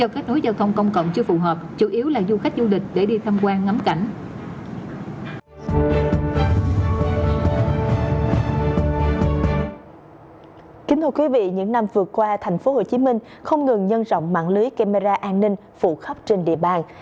kính thưa quý vị những năm vừa qua thành phố hồ chí minh không ngừng nhân rộng mạng lưới camera an ninh phụ khắp trên địa bàn